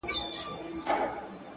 ستا د هغې ورځې د هغې خندا هغه تاثير